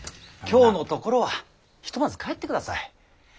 今日のところはひとまず帰ってください。